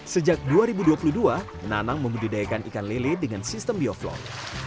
sejak dua ribu dua puluh dua nanang membudidayakan ikan lele dengan sistem bioflow